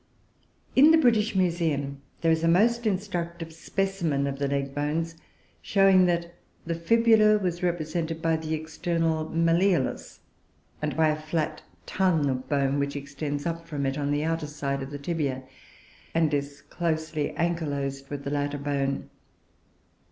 In the British Museum there is a most instructive specimen of the leg bones, showing that the fibula was represented by the external malleolus and by a flat tongue of bone, which extends up from it on the outer side of the tibia, and is closely ankylosed with the latter bone.